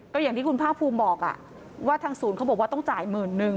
ก็อย่างที่คุณภาคภูมิบอกว่าทางศูนย์เขาบอกว่าต้องจ่ายหมื่นนึง